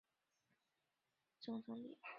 担任松发陶瓷有限公司总经理。